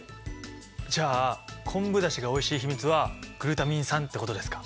じゃあ昆布だしがおいしい秘密はグルタミン酸ってことですか？